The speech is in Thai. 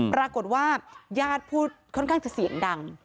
ปรากฏว่าญาติพูดค่อนข้างจะเสียงดัง